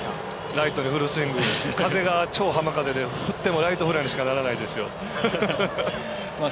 ライトにフルスイング風が超浜風で振ってもライトフライにしかならないですよ。